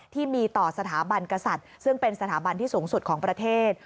ที่มีต่อสถาบันกษัตริย์ซึ่งเป็นสถาบันที่สูงสุดของประเทศ